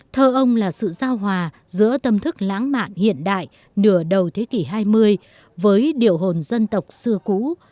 thơ ông là sự giao hòa giữa tâm thức lãng mạn hiện đại nửa đầu thế kỷ hai mươi với điệu hồn dân tộc xưa cũ